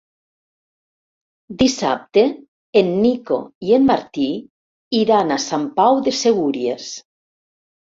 Dissabte en Nico i en Martí iran a Sant Pau de Segúries.